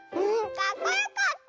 かっこよかった！